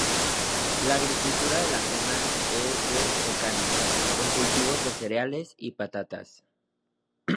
La agricultura de la zona es de secano, con cultivos de cereales y patatas.